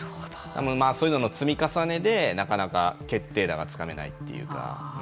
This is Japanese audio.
そういうものの積み重ねでなかなか決定打がつかめないというか。